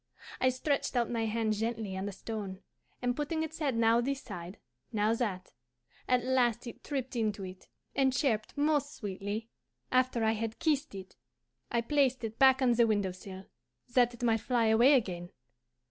I stretched out my hand gently on the stone, and putting its head now this side, now that, at last it tripped into it, and chirped most sweetly. After I had kissed it I placed it back on the window sill, that it might fly away again.